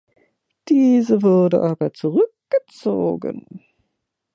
Diese wurde aber zurückgezogen.